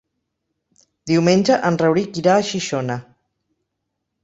Diumenge en Rauric irà a Xixona.